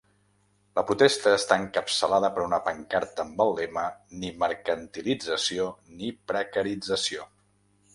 La protesta està encapçalada per una pancarta amb el lema “Ni mercantilització ni precarització”.